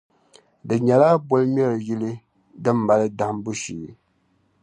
Di nyɛla bol'ŋmɛri yili din mali dahimbu sheei.